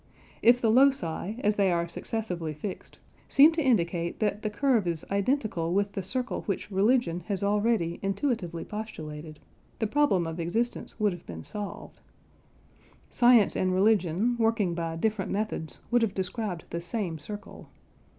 If the loci, as they are successively fixed, seem to indicate that the curve is identical with the circle which religion has already intuitively postulated, the problem of existence would have been solved. Science and religion working by different methods would have described the same circle.